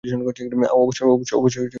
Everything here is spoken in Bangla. অবশ্যই দুঃখিত স্যার।